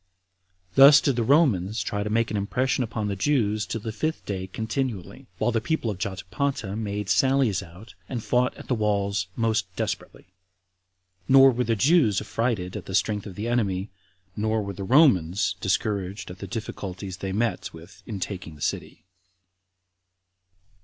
Thus did the Romans try to make an impression upon the Jews till the fifth day continually, while the people of Jotapata made sallies out, and fought at the walls most desperately; nor were the Jews affrighted at the strength of the enemy, nor were the Romans discouraged at the difficulties they met with in taking the city.